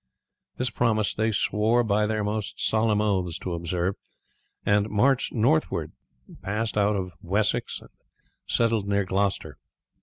This promise they swore by their most solemn oaths to observe, and marching northward passed out of Wessex and settled near Gloucester.